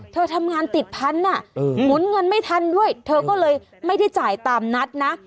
เธอทำงานติดพันธุ์หมุนเงินไม่ทันด้วยเธอก็เลยไม่ได้จ่ายตามนัดนะ